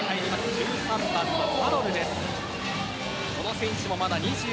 １３番のファロル。